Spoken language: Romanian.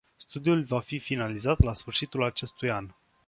Studiul va fi finalizat la sfârșitul acestui an.